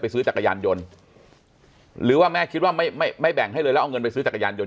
ซื้อจักรยานยนต์หรือว่าแม่คิดว่าไม่ไม่แบ่งให้เลยแล้วเอาเงินไปซื้อจักรยานยน